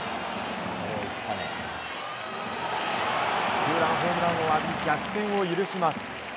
ツーランホームランを浴び逆転を許します。